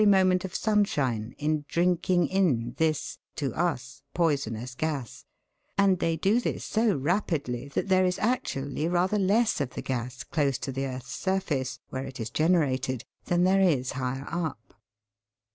169 moment of sunshine in drinking in this, to us, poisonous gas, and they do this so rapidly that there is actually rather less of the gas close to the earth's surface, where it is gene rated, than there is higher up.